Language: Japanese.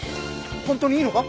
本当にいいのか？